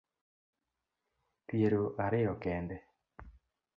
Piero ariyo kende